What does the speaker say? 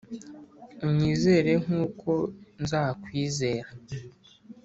unyizere nkuko nzakwizera.